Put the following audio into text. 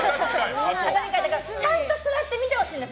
だからちゃんと座って見てほしいんです。